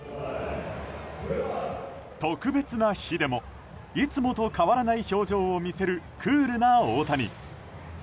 特別な日でもいつもと変わらない表情を見せるクールな大谷。